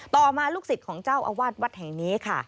ต่อมาลูกศิษย์ของเจ้าอาวาสวัดแห่งนี้ค่ะ